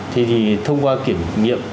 thì thông qua kiểm nghiệm